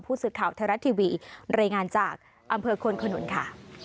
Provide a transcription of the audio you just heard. ผู้สื่อข่าวไทยรัฐทีวีรายงานจากอำเภอควนขนุนค่ะ